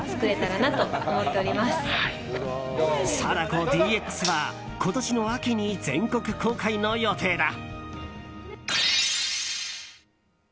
「貞子ＤＸ」は今年の秋に全国公開の予定だ。